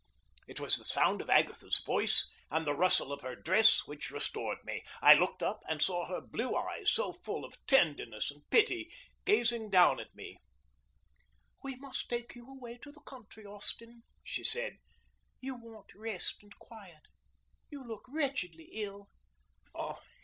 It was the sound of Agatha's voice and the rustle of her dress which restored me. I looked up, and saw her blue eyes, so full of tenderness and pity, gazing down at me. "We must take you away to the country, Austin," she said. "You want rest and quiet. You look wretchedly ill."